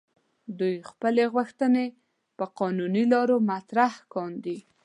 دوی خپلې غوښتنې په قانوني لارو مطرح کاندي.